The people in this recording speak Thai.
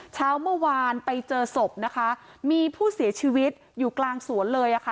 เช้าเมื่อวานไปเจอศพนะคะมีผู้เสียชีวิตอยู่กลางสวนเลยอ่ะค่ะ